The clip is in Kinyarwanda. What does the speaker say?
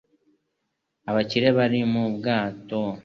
abakire bari muri ubu bwato